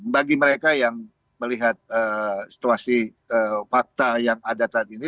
bagi mereka yang melihat situasi fakta yang ada saat ini